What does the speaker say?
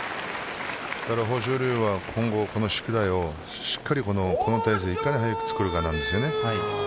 豊昇龍は今後しっかりこの体勢をいかに早く作るかなんですね。